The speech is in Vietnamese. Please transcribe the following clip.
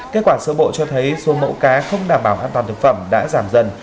kết quả sơ bộ cho thấy số mẫu cá không đảm bảo an toàn thực phẩm đã giảm dần